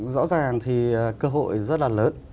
rõ ràng thì cơ hội rất là lớn